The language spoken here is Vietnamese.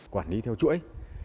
quản lý theo chuỗi